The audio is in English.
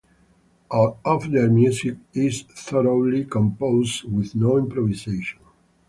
All of their music is thoroughly composed, with no improvisation.